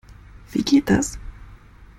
Wie geht das?